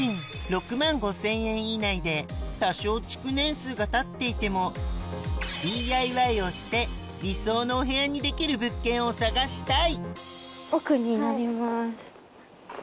で多少築年数がたっていてもＤＩＹをして理想のお部屋にできる物件を探したい！